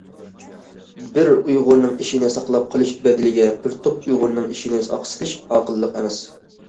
بىر ئۇيغۇرنىڭ ئىشىنى ساقلاپ قېلىش بەدىلىگە بىر توپ ئۇيغۇرنىڭ ئىشىنى ئاقسىتىش ئاقىللىق ئەمەس.